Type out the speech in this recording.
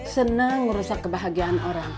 senang merusak kebahagiaan orang